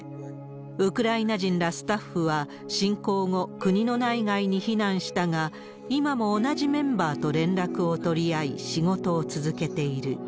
ウクライナ人らスタッフは、侵攻後、国の内外に避難したが、今も同じメンバーと連絡を取り合い、仕事を続けている。